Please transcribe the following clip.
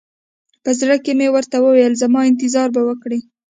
په زړه کښې مې ورته وويل زما انتظار به وکړې.